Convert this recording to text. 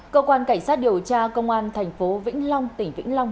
cơ quan cảnh sát điều tra công an tp vĩnh long tỉnh vĩnh long